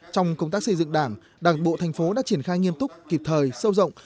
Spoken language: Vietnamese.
trong công tác xây dựng đảng đảng bộ thành phố đã triển khai nghiêm túc kịp thời sâu rộng